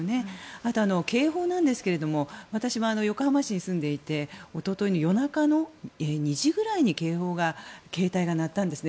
あとは警報なんですが私も横浜市に住んでいておとといの夜中の２時くらいに携帯が鳴ったんですね。